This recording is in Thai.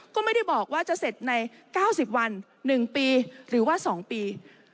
ก็ไม่ได้บอกว่าจะเสร็จใน๙๐วัน๑ปีหรือว่า๒ปี